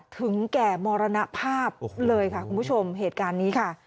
ถึงแก่มรณภาพเลยค่ะคุณผู้ชมเหตุการณ์นี้ค่ะ